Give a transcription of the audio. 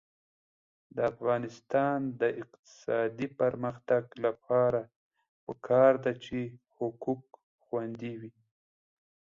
د افغانستان د اقتصادي پرمختګ لپاره پکار ده چې حقوق خوندي وي.